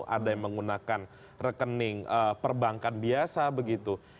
ada yang menggunakan rekening perbankan biasa begitu